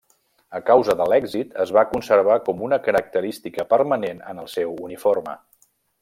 A causa de l'èxit, es va conservar com una característica permanent en el seu uniforme.